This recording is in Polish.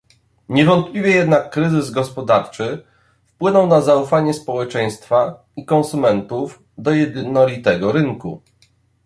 Niewątpliwie jednak kryzys gospodarczy wpłynął na zaufanie społeczeństwa i konsumentów do jednolitego rynku